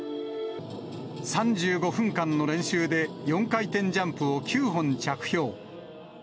３５分間の練習で、４回転ジャンプを９本着氷。